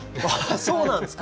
そうなんですか！？